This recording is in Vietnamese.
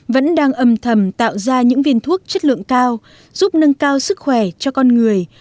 vẫn đang âm thầm tạo ra những viên thuốc chất lượng cao giúp nâng cao sức khỏe cho con người